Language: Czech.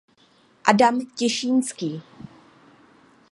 Adam Těšínský.